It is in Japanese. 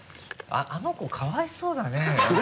あの子かわいそうだね。